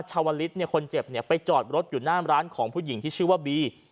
ชาวลิศคนเจ็บไปจอดรถอยู่หน้าร้านของผู้หญิงที่ชื่อว่าบี